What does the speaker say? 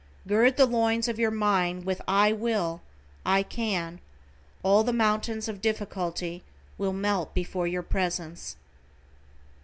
Gird the loins of your mind with "I WILL." "I CAN." All the mountains of difficulty will melt before your presence.